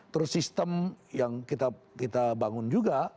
terus sistem yang kita bangun juga